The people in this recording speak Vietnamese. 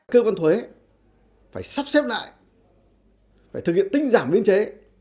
cơ quan thuế phải sắp xếp lại phải thực hiện tinh giảm biên chế